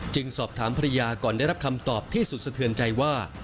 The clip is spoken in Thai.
สอบถามภรรยาก่อนได้รับคำตอบที่สุดสะเทือนใจว่า